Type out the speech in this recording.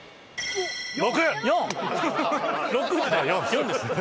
４です。